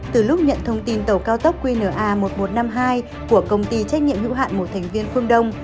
từ lúc nhận thông tin tàu cao tốc qna một nghìn một trăm năm mươi hai của công ty trách nhiệm hữu hạn một thành viên phương đông